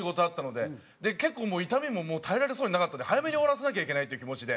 で結構痛みももう耐えられそうになかったので早めに終わらせなきゃいけないっていう気持ちで。